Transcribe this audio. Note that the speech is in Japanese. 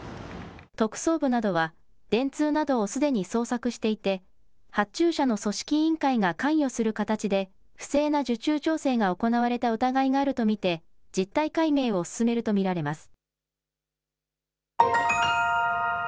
特捜部などは、電通などをすでに捜索していて、発注者の組織委員会が関与する形で、不正な受注調整が行われた疑いがあると見て、実態解明を進めると見られます。